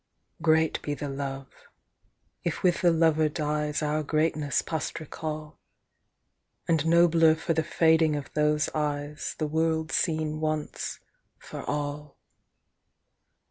Great be the love, if with the lover dies Our greatness past recall, And nobler for the fading of those eyes The world seen once for all.